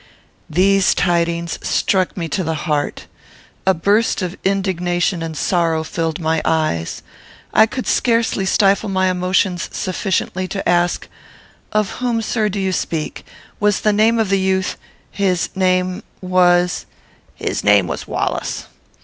These tidings struck me to the heart. A burst of indignation and sorrow filled my eyes. I could scarcely stifle my emotions sufficiently to ask, "Of whom, sir, do you speak? Was the name of the youth his name was " "His name was Wallace.